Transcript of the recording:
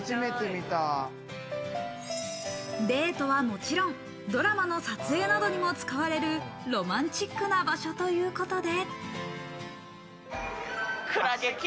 デートはもちろん、ドラマの撮影などにも使われるロマンチックな場所ということで。